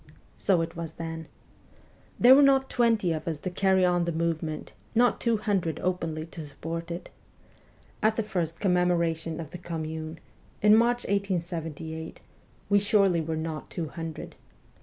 So it was then There were not twenty of us to carry on the movement, not two hundred openly to support it. At the first commemoration of the Commune, in March 1878, we surely were not two hundred.